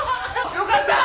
よかったー！